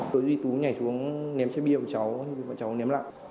đối với tú nhảy xuống ném chai bia của cháu cháu ném lại